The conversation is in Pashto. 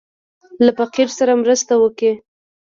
له فقير سره مرسته وکړه.